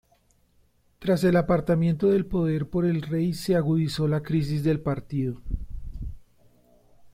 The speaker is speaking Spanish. Tras el apartamiento del poder por el rey se agudizó la crisis del partido.